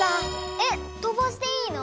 えっとばしていいの？